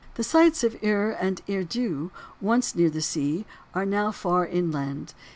The sites of Ur and Eridu, once near the sea, are now far inland.